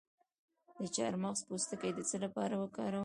د چارمغز پوستکی د څه لپاره وکاروم؟